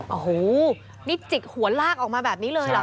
โอ้โหนี่จิกหัวลากออกมาแบบนี้เลยเหรอ